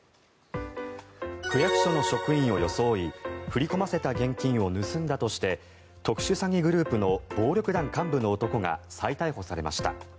区役所の職員を装い振り込ませた現金を盗んだとして特殊詐欺グループの暴力団幹部の男が再逮捕されました。